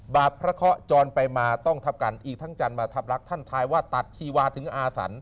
บาปพระเคาะจรไปมาต้องทับกันอีกทั้งจันทร์มาทับรักท่านทายว่าตัดชีวาถึงอาสัน